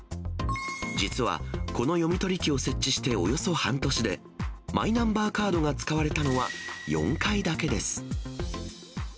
実はこの読み取り機を設置しておよそ半年で、マイナンバーカードが使われたのは４回だけです。